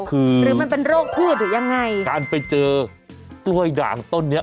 คือหรือมันเป็นโรคพืชหรือยังไงการไปเจอกล้วยด่างต้นเนี้ย